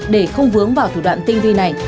để không vướng vào thủ đoạn tinh vi này